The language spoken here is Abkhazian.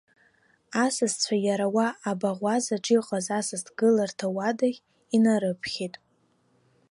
Асасцәа иара уа абаӷәазаҿ иҟаз асасдкыларҭа уадахь инарԥхьеит.